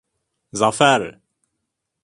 Zafer!